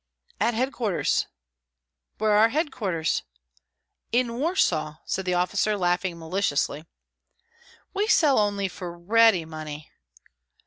"At headquarters!" "Where are headquarters?" "In Warsaw," said the officer, laughing maliciously. "We sell only for ready money."